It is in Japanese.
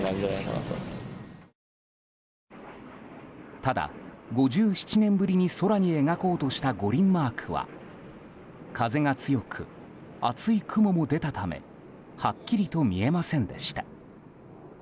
ただ、５７年ぶりに空に描こうとした五輪マークは風が強く、厚い雲も出たためはっきりと見えませんでした。